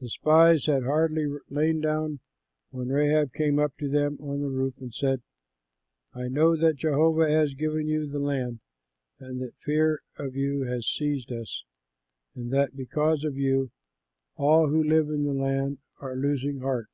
The spies had hardly lain down when Rahab came up to them on the roof and said, "I know that Jehovah has given you the land and that fear of you has seized us and that because of you all who live in the land are losing heart.